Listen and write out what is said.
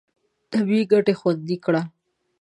طبیعي ګټې خوندي کړه.